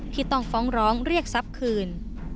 ที่ต้องฟ้องร้องเรียกทรัพย์คืน